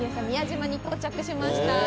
宮島に到着しました